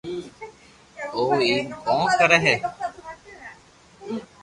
او ايم ڪون ڪري ھي